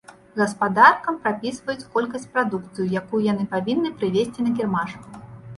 Гаспадаркам прапісваюць колькасць прадукцыі, якую яны павінны прывезці на кірмаш.